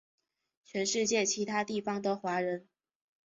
全世界其他地方的华人